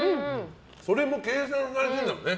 それも計算されてるんだろうね。